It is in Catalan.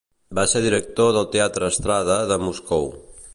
Va ser director del teatre "Estrada" de Moscou.